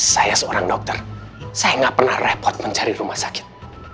saya seorang dokter saya gak pernah repot mencari rumah sakit